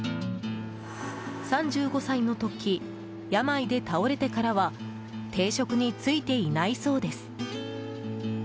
３５歳の時、病で倒れてからは定職に就いていないそうです。